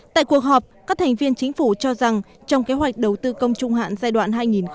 tại cuộc họp các thành viên chính phủ cho rằng trong kế hoạch đầu tư công trung hạn giai đoạn hai nghìn hai mươi một hai nghìn hai mươi